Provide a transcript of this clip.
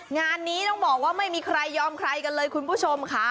งานนี้ต้องบอกว่าไม่มีใครยอมใครกันเลยคุณผู้ชมค่ะ